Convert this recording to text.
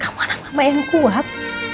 kamu anak mama yang kuat